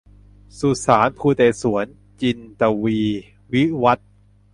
สุสานภูเตศวร- จินตวีร์ วิวัธน์